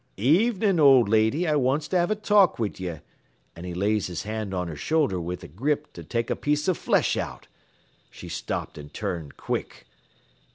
"'Evenin', old lady, I wants to have a talk wid ye;' an' he lays his hand on her shoulder wid a grip to take a piece av flesh out. She stopped an' turned quick.